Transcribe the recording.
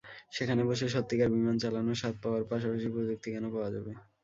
সেখানে বসে সত্যিকার বিমান চালানোর স্বাদ পাওয়ার পাশাপাশি প্রযুক্তিজ্ঞানও পাওয়া যাবে।